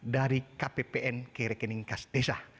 dari kppn ke rekening kas desa